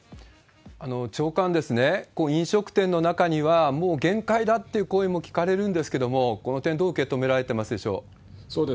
長官、飲食店の中にはもう限界だっていう声も聞かれるんですけれども、この点、どう受け止められてますでしょう？